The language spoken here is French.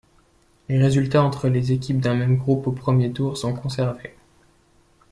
Les résultats entre les équipes d'un même groupe au premier tour sont conservés.